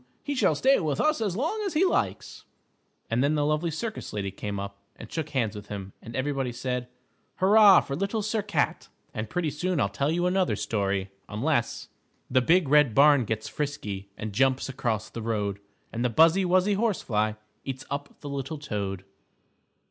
He shall stay with us as long as he likes," and then the lovely circus lady came up and shook hands with him, and everybody said, "Hurrah for Little Sir Cat!" And pretty soon I'll tell you another story unless _The Big Red Barn gets frisky And jumps across the road, And the buzzy, wuzzy horsefly Eats up the little toad.